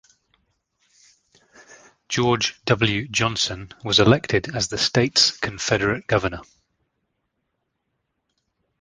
George W. Johnson was elected as the state's Confederate governor.